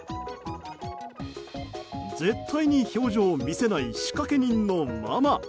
絶対に表情を見せない仕掛け人のママ。